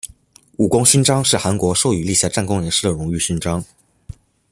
武功勋章是韩国授予立下战功人士的荣誉勋章。